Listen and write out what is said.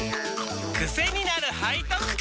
クセになる背徳感！